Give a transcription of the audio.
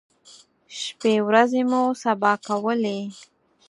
شپی ورځې مو سبا کولې.